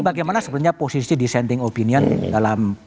bagaimana sebenarnya posisi dissenting opinion dalam